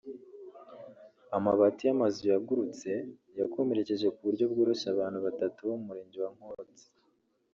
Amabati y’amazu yagurutse yakomerekeje ku buryo bworoshye abantu batatu bo mu Murenge wa Nkotsi